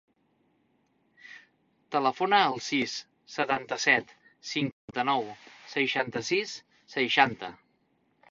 Telefona al sis, setanta-set, cinquanta-nou, seixanta-sis, seixanta.